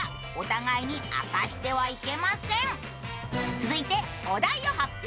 続いてお題を発表。